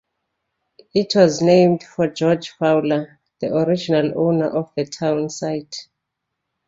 It was named for George Fowler, the original owner of the town site.